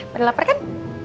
pernah lapar kan